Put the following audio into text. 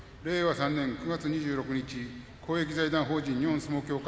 ３年９月２６日公益財団法人日本相撲協会